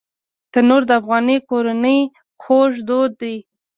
تنور د افغاني کورنۍ خوږ دود دی